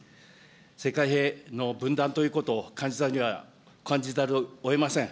世界平和の分断ということを感じざるをえません。